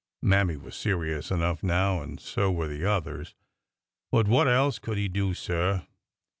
Mammy was serious enough now, and so were the others. But what else could he do, sir